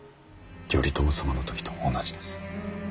頼朝様の時と同じです。